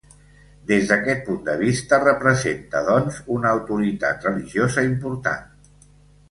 Des d'aquest punt de vista representa, doncs, una autoritat religiosa important.